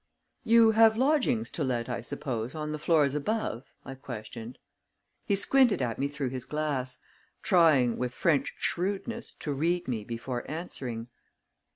"You have lodgings to let, I suppose, on the floors above?" I questioned. He squinted at me through his glass, trying, with French shrewdness, to read me before answering.